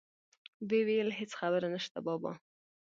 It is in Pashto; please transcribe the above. ويې ويل هېڅ خبره نشته بابا.